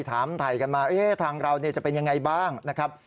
ถามถ่ายกันมาทางเราจะเป็นยังไงบ้างนะครับ